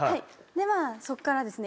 ではそこからですね